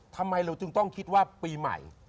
ทำไมเราจึงต้องคิดว่าปีใหม่